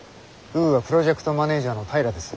ウーア・プロジェクトマネージャーの平です。